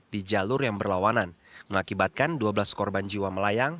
di jalur yang berlawanan mengakibatkan dua belas korban jiwa melayang